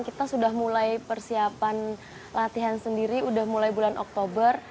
kita sudah mulai persiapan latihan sendiri udah mulai bulan oktober